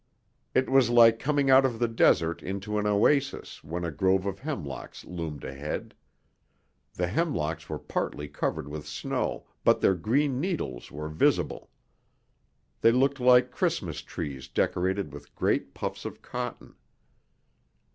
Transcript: It was like coming out of the desert into an oasis when a grove of hemlocks loomed ahead. The hemlocks were partly covered with snow but their green needles were visible. They looked like Christmas trees decorated with great puffs of cotton.